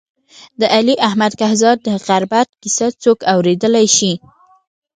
د علي احمد کهزاد د غربت کیسه څوک اورېدای شي.